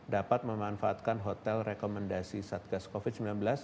dapat memanfaatkan hotel rekomendasi satgas covid sembilan belas